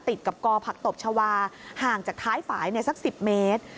ติดกับกอผักตบชาวาห่างจากท้ายฝ่ายสัก๑๐เมตร